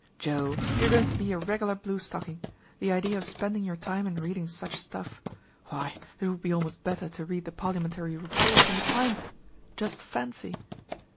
"Joe, you are going to be a regular blue stocking! The idea of spending your time in reading such stuff. Why, it would be almost better to read the parliamentary reports in the 'Times!' Just fancy!"